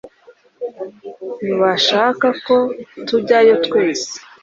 Ntibashaka ko tujyayo twese.